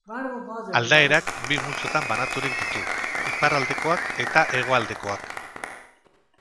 Aldaerak bi multzotan banaturik ditu: iparraldekoak eta hegoaldekoak.